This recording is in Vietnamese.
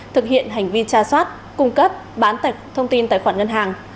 thực hiện hành vi trả soát cung cấp bán tài khoản ngân hàng